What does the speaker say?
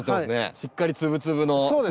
しっかり粒々の土。